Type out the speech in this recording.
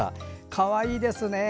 かわいい写真ですね。